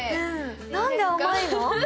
なんで甘いの？